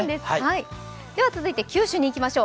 続いて九州にいきましょう。